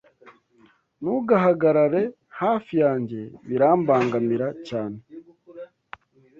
Ntugahagarare hafi yanjye birambangamira cyane